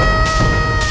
banyak bunda mat